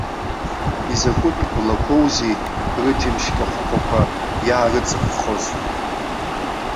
Изакәытә блақәоузеи рыџьымшь кахәхәақәа иаарыҵԥхоз!